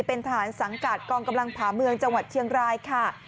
เป็นทหารสังกัดกองกำลังผ่าเมืองจังหวัดเชียงรายค่ะ